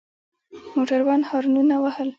موټروان هارنونه وهل.